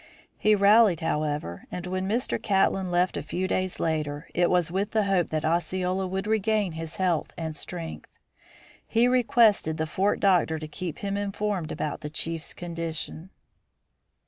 He rallied, however, and when Mr. Catlin left a few days later, it was with the hope that Osceola would regain his health and strength. He requested the fort doctor to keep him informed about the chief's condition.